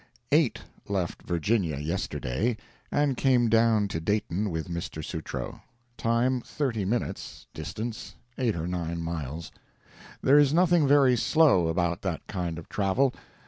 —] Eight left Virginia yesterday and came down to Dayton with Mr. Sutro. Time 30 minutes—distance 8 or 9 miles. There is nothing very slow about that kind of travel.